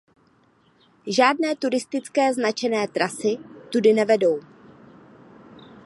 Žádné turistické značené trasy tudy nevedou.